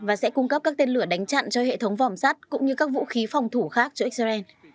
và sẽ cung cấp các tên lửa đánh chặn cho hệ thống vòm sắt cũng như các vũ khí phòng thủ khác cho israel